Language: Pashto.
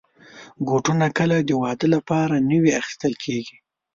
بوټونه کله د واده لپاره نوي اخیستل کېږي.